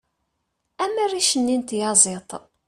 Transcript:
am rric-nni n tyaziḍt